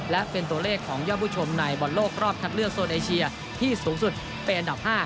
และเป็นตัวเลขของยอดผู้ชมในบอลโลกรอบคัดเลือกโซนเอเชียที่สูงสุดเป็นอันดับ๕